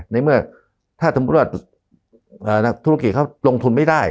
ในเมื่อถ้าสมมุติว่านักธุรกิจเขาลงทุนไม่ได้